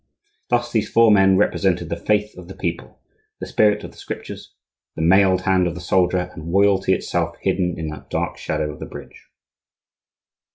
Thus these four men represented the faith of the people, the spirit of the Scriptures, the mailed hand of the soldier, and royalty itself hidden in that dark shadow of the bridge.